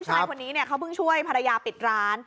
คุณผู้ชายพวกนี้เนี่ยเขาเพิ่งช่วยภรรยาปิดร้าน